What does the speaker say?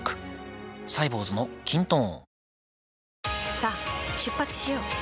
さあ出発しよう。